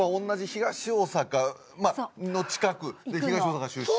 東大阪の近く東大阪出身。